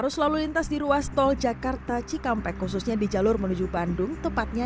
arus lalu lintas di ruas tol jakarta cikampek khususnya di jalur menuju bandung tepatnya